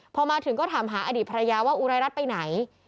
พอมาถึงก็ถามหาอดีตภรรยาว่าอุรายรัฐไปไหน